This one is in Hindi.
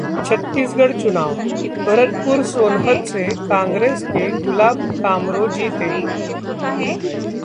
छत्तीसगढ़ चुनाव: भरतपुर सोनहत से कांग्रेस के गुलाब कामरो जीते